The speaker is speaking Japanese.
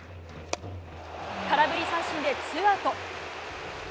空振り三振でツーアウト。